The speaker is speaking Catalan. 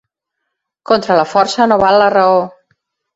Contra la força no val la raó.